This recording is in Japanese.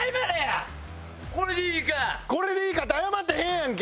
「これでいいか？」って謝ってへんやんけ。